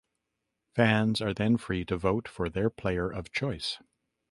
Fans are then free to vote for their player of choice.